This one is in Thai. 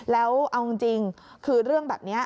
แล้วเอาจริงคือเรื่องแบบนี้